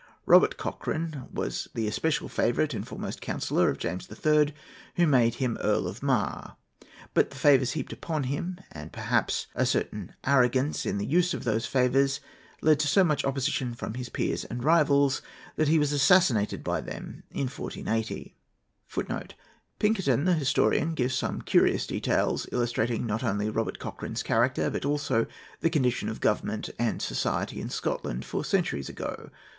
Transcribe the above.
Robert Cochran was the especial favourite and foremost counsellor of James III., who made him Earl of Mar; but the favours heaped upon him, and perhaps a certain arrogance in the use of those favours, led to so much opposition from his peers and rivals that he was assassinated by them in 1480.[A] [Footnote A: Pinkerton, the historian, gives some curious details, illustrating not only Robert Cochran's character, but also the condition of government and society in Scotland four centuries ago.